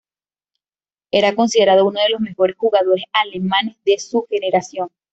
Era considerado uno de los mejores jugadores alemanes de su generación.